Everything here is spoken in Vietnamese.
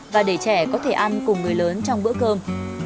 và để trẻ có thể ăn cùng người lớn trong bữa cơm